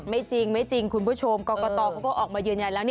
ไม่จริงคุณผู้ชมกรกตเขาก็ออกมาเยือนใยแล้ว